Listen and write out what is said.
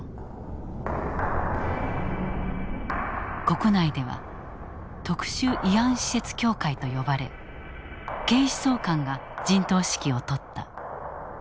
国内では特殊慰安施設協会と呼ばれ警視総監が陣頭指揮を執った。